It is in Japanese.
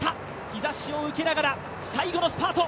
日ざしを受けながら最後のスパート。